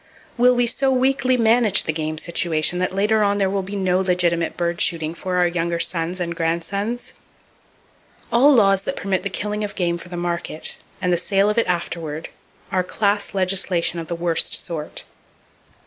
Will we so weakly manage the game situation that later on there will be no legitimate bird shooting for our younger sons, and our grandsons? All laws that permit the killing of game for the market, and the sale of it afterward, are class legislation of the worst sort.